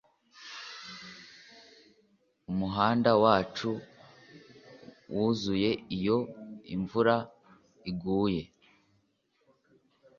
Umuhanda wacu wuzuye iyo imvura iguye